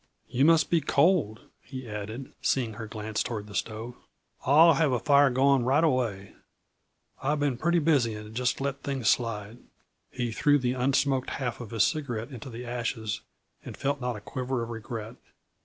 "You must be cold," he added, seeing her glance toward the stove. "I'll have a fire going right away; I've been pretty busy and just let things slide." He threw the un smoked half of his cigarette into the ashes and felt not a quiver of regret.